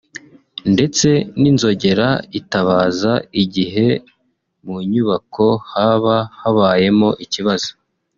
ndetse n’inzogera itabaza igihe mu nyubako haba habayemo ikibazo